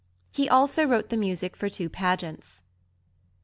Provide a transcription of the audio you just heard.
He also wrote the music for two pageants.